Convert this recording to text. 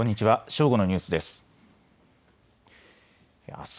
正午のニュースです。